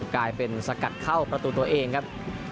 กลายเป็นสกัดเข้าประตูตัวเองครับ